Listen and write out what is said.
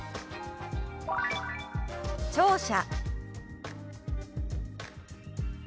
「聴者」。